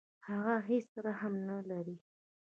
هغه هیڅ رحم نه لري.